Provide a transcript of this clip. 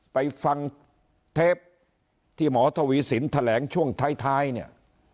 ไปฟังเทปที่หมอทวีสินแถลงช่วงท้ายเนี่ย